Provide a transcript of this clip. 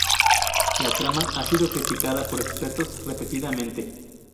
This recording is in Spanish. La trama ha sido criticada por expertos repetidamente.